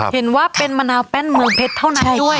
เห็นว่าเป็นมะนาวแป้นเมืองเพชรเท่านั้นด้วย